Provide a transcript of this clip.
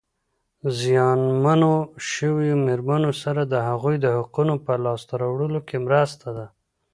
زیانمنو شویو مېرمنو سره د هغوی د حقوقو په لاسته راوړلو کې مرسته ده.